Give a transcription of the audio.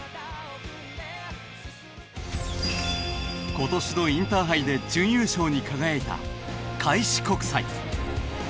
今年のインターハイで準優勝に輝いた開志国際。